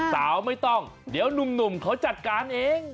สาวไม่ต้องเดี๋ยวนุ่มเขาจัดการเอง